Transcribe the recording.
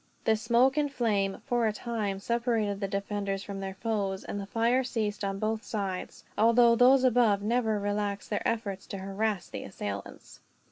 The smoke and flame, for a time, separated the defenders from their foes; and the fire ceased on both sides, although those above never relaxed their efforts to harass the assailants.